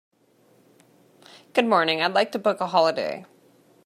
Good morning, I'd like to book a holiday.